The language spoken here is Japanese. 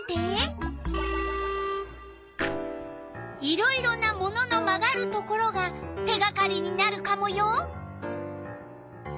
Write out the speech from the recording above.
いろいろな物の曲がるところが手がかりになるカモよ。